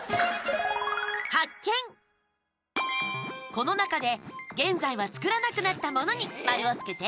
この中で、現在は作らなくなったものに丸をつけて。